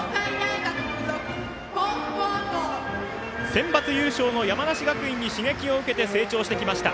センバツ優勝の山梨学院に刺激を受けて成長してきました。